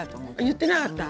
言ってなかった？